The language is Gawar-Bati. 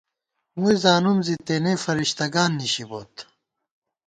مُوئی زانُم زی، تېنے فرِشتہ گان نِشِبوت